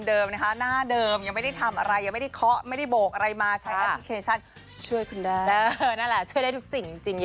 เออเอาแบบนี้